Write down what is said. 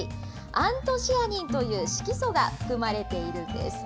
アントシアニンという色素が含まれているんです。